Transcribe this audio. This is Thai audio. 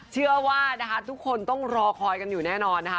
เชื่อว่านะคะทุกคนต้องรอคอยกันอยู่แน่นอนนะคะ